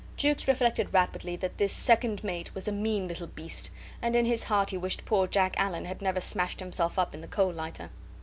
Jukes reflected rapidly that this second mate was a mean little beast, and in his heart he wished poor Jack Allen had never smashed himself up in the coal lighter.